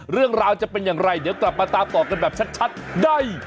เรื่องราวจะเป็นอย่างไรเดี๋ยวกลับมาตามต่อกันแบบชัดได้